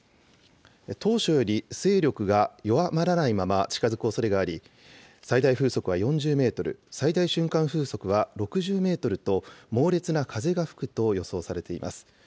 当初より勢力が弱まらないまま近づくおそれがあり、最大風速は４０メートル、最大瞬間風速は６０メートルと、猛烈な風が吹くと予想されています。